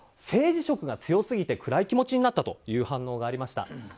政治色が強すぎて暗い気持ちになったという反応がありました。